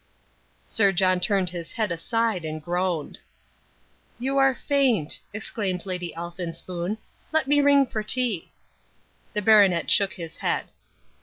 Sir John turned his head aside and groaned. "You are faint," exclaimed Lady Elphinspoon, "let me ring for tea." The baronet shook his head.